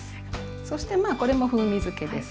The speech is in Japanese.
そしてまあこれも風味づけです